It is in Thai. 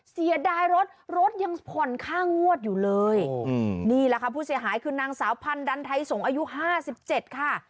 เสียดายรถรถยังผ่อนค่างวดอยู่เลยนี่แหละค่ะผู้เสียหายคือนางสาวพันธ์ดันไทยสงศ์อายุห้าสิบเจ็ดค่ะ